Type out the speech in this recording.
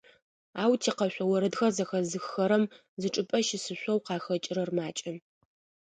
Ау тикъэшъо орэдхэр зэхэзыхыхэрэм зычӏыпӏэ щысышъоу къахэкӏырэр макӏэ.